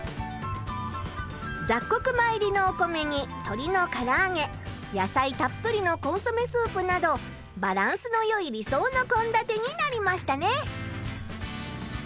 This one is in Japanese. ざっこく米入りのお米にとりのからあげ野菜たっぷりのコンソメスープなどバランスのよい理想のこんだてになりましたね。